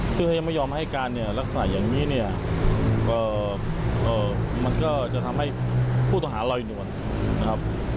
ซึ่งถ้ายังไม่ยอมให้การเนี่ยลักษณะอย่างนี้เนี่ยก็มันก็จะทำให้ผู้ต้องหาลอยนวลนะครับ